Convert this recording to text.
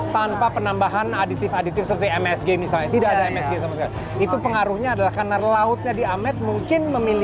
tanpa penambahan aditif aditif seperti msg misalnya tidak ada itu pengaruhnya adalah karena lautnya di